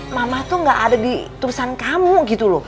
mama tuh gak ada di tulisan kamu gitu loh